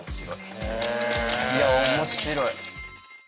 いや面白い。